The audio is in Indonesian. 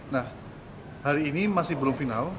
nah hari ini masih belum final